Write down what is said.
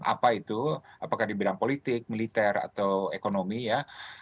apa itu apakah di bidang politik militer atau ekonomi ya